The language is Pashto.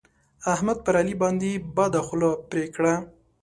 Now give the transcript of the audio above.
احمد پر علي باندې بده خوله پرې کړه.